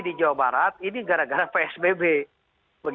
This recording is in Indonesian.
di jawa barat ini gara gara psbb